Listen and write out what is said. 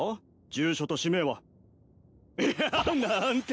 住所と氏名は？いやなんてな！